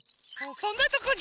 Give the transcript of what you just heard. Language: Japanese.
そんなとこに。